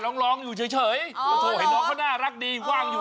ร้องอยู่เฉยเห็นน้องเขาน่ารักดีว่างอยู่